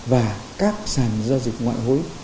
và các sàn giao dịch ngoại hối